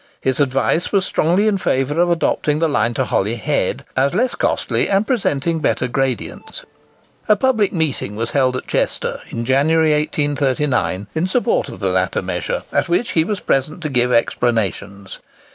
His advice was strongly in favour of adopting the line to Holyhead, as less costly and presenting better gradients. A public meeting was held at Chester, in January, 1839, in support of the latter measure, at which he was present to give explanations.